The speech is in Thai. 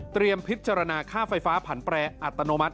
พิจารณาค่าไฟฟ้าผันแปรอัตโนมัติ